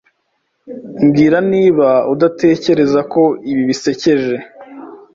Mbwira niba udatekereza ko ibi bisekeje.